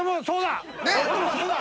そうだ！